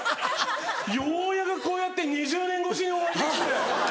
ようやくこうやって２０年越しにお会いできて。